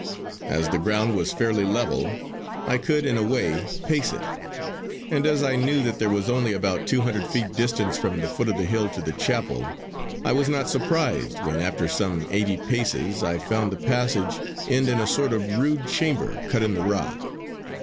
As the ground was fairly level, I could in a way pace it; and as I knew that there was only about two hundred feet distance from the foot of the hill to the chapel, I was not surprised when after some eighty paces I found the passage end in a sort of rude chamber cut in the rock.